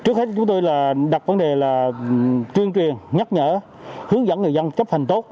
trước hết chúng tôi đặt vấn đề là chuyên truyền nhắc nhở hướng dẫn người dân chấp hành tốt